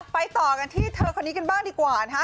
ไปต่อกันที่เธอคนนี้กันบ้างดีกว่านะคะ